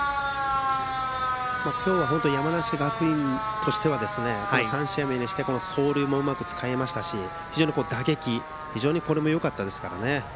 今日は山梨学院としては３試合目にして走塁もうまく使えましたし非常に打撃これもよかったですから。